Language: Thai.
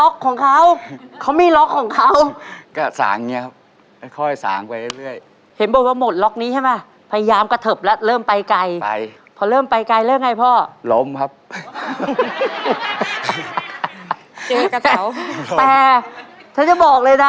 ก็อีกอันนี้จะจับ